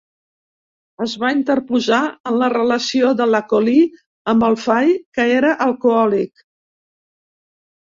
Es va interposar en la relació de la Collie amb el Fay, que era alcohòlic.